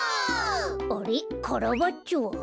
あれっカラバッチョは？